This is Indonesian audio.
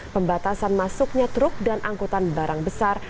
pembatasan masuknya truk dan angkutan barang besar